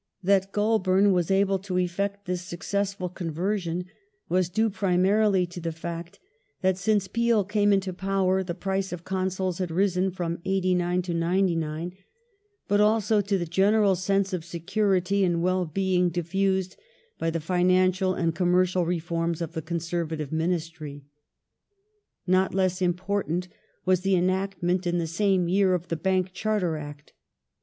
That Goulburn was able to effect this successful conversion was due primarily to the fact that, since Peel came into power, the price of Consols had risen from 89 to 99, but also to the general sense of security and well being diffused by the financial and commercial i eforms of the Conservative Ministiy. Not less important was the enactment, in the same year, of the Bank Bank Charter Act.